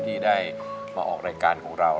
ที่ได้มาออกรายการของเรา